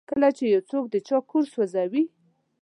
کله چې یو څوک د چا کور سوځوي.